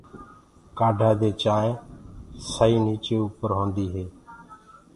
ڪآڌآ دي چآنٚينٚ سئي نيچي اُپر هوندي هي۔